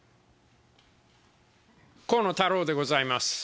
河野太郎でございます。